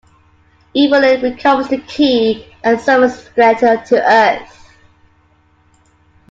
Evil-Lyn recovers the key and summons Skeletor to Earth.